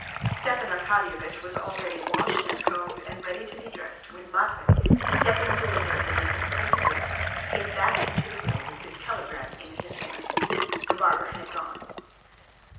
Stepan Arkadyevitch was already washed and combed and ready to be dressed, when Matvey, stepping deliberately in his creaky boots, came back into the room with the telegram in his hand. The barber had gone.